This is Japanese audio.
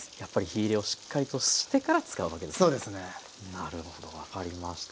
なるほど分かりました。